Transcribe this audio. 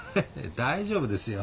大丈夫ですよ。